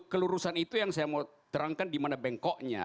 kelurusan itu yang saya mau terangkan dimana bengkoknya